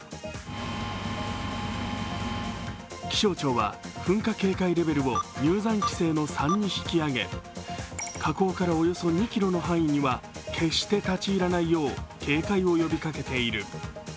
気象庁は噴火警戒レベルを入山規制の３に引き上げ火口からおよそ２ｋｍの範囲には決して立ち入らないよう警戒を呼びかけている。